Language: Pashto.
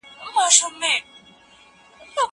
زه پرون د کتابتوننۍ سره وم؟!